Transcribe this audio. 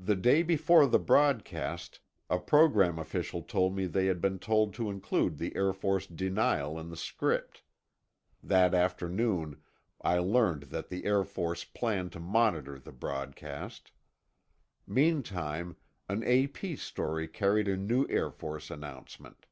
The day before the broadcast, a program official told me they had been told to include the Air Force denial in the script. That afternoon I learned that the Air Force planned to monitor the broadcast. Meantime, an A.P. story carried a new Air Force announcement.